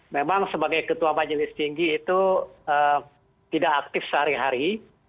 memang sebagai ketua majelis tinggi itu tidak aktif sehari hari